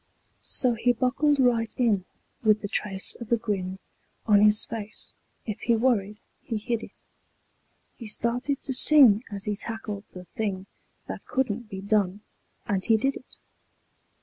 So he buckled right in with the trace of a grin On his face. If he worried he hid it. He started to sing as he tackled the thing That couldn't be done, and he did it.